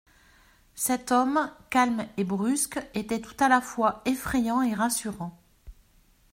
Cet homme, calme et brusque, était tout à la fois effrayant et rassurant.